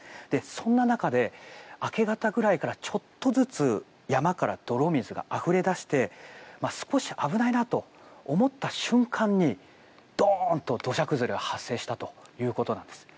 そんな中、明け方ぐらいからちょっとずつ山から泥水があふれ出して少し危ないなと思った瞬間にドーンと土砂崩れが発生したということです。